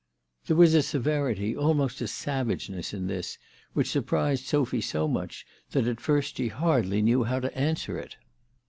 There was a severity, almost a savageness in this, which surprised Sophy so much that at first she hardly knew how to answer it.